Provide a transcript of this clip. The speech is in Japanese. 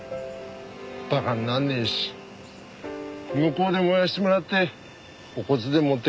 馬鹿になんねえし向こうで燃やしてもらってお骨で持って帰ってきた。